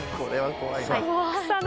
これは怖いな。